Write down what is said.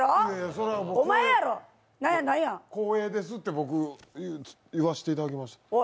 それは、光栄ですって僕、言わせていただきました。